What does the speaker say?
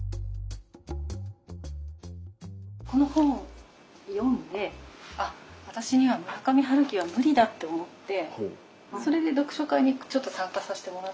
この本を読んであっ私には村上春樹は無理だって思ってそれで読書会にちょっと参加させてもらったんですね。